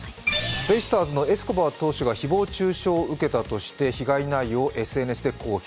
ベイスターズのエスコバー投手が誹謗中傷を受けたとして被害内容をＳＮＳで公表。